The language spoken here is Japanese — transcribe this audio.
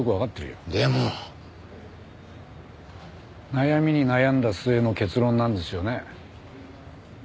悩みに悩んだ末の結論なんですよね？